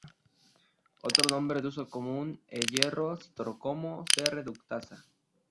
Otro nombre de uso común e "hierro-citocromo c reductasa".